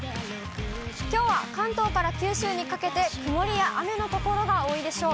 きょうは関東から九州にかけて、曇りや雨の所が多いでしょう。